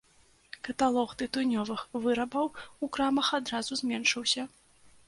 Каталог тытунёвых вырабаў у крамах адразу зменшыўся.